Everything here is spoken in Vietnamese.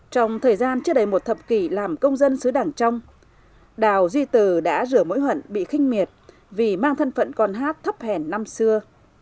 trong thời gian trước đầy một thập kỷ làm công dân xứ đảng trong đào duy từ đã rửa mỗi huẩn bị khinh miệt vì mang thân phận con hát thấp hèn năm xưa